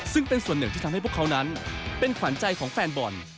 ซึ่งเป็นส่วนหนึ่งที่ทำให้พวกเขานั้นเป็นขวัญใจของแฟนบอล